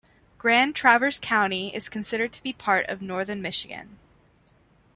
Grand Traverse County is considered to be part of Northern Michigan.